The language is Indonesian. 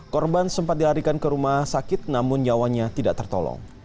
korban sempat dilarikan ke rumah sakit namun nyawanya tidak tertolong